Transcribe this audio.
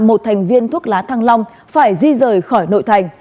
một thành viên thuốc lá thăng long phải di rời khỏi nội thành